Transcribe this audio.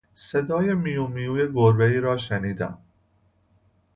صدای میومیوی گربهای را شنیدیم.